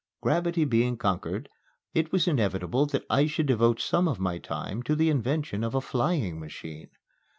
Gravity being conquered, it was inevitable that I should devote some of my time to the invention of a flying machine.